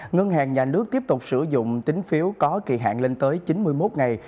ngân hàng nhà nước tiếp tục sử dụng tính phiếu có kỳ hạn lên tới chín mươi một ngày